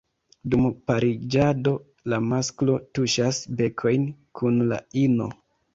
Dum pariĝado, la masklo tuŝas bekojn kun la ino.